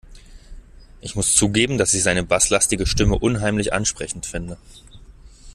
Ich muss zugeben, dass ich seine basslastige Stimme unheimlich ansprechend finde.